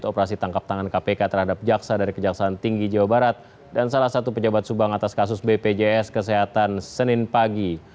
operasi tangkap tangan kpk terhadap jaksa dari kejaksaan tinggi jawa barat dan salah satu pejabat subang atas kasus bpjs kesehatan senin pagi